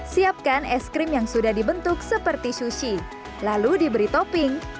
siapkan es krim yang sudah dibentuk seperti sushi lalu diberi topping